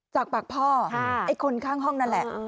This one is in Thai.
จากปากพ่อไอ้คนข้างห้องนั่นแหละ